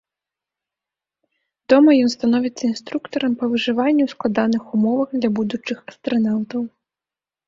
Дома ён становіцца інструктарам па выжыванні ў складаных умовах для будучых астранаўтаў.